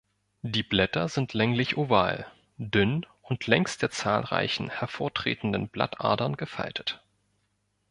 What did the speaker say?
Die Blätter sind länglich-oval, dünn und längs der zahlreichen hervortretenden Blattadern gefaltet.